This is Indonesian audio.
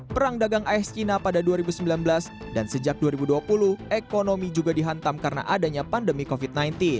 perang dagang aes cina pada dua ribu sembilan belas dan sejak dua ribu dua puluh ekonomi juga dihantam karena adanya pandemi covid sembilan belas